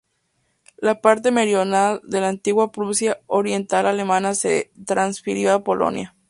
La parte meridional de la antigua Prusia oriental alemana se transfirió a Polonia.